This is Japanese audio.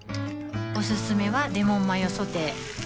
おすすめはレモンマヨソテー